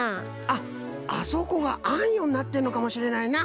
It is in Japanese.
あっあそこがあんよになってるのかもしれないな。